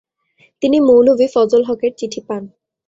তিনি মৌলভি ফযল হকের চিঠি পান।